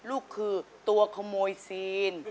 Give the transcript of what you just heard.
ลูกคือตัวขโมยซีน